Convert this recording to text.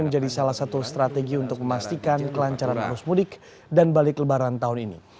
menjadi salah satu strategi untuk memastikan kelancaran arus mudik dan balik lebaran tahun ini